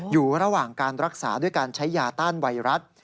อยู่ระหว่างการรักษาด้วยการใช้ยาต้านไวรัส